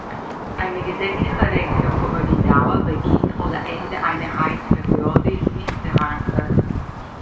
Eine gesetzliche Regelung über die Dauer, Beginn oder Ende einer Heizperiode ist nicht verankert.